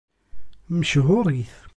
Mechuṛit.